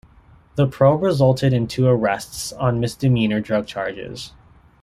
The probe resulted in two arrests on misdemeanor drug charges.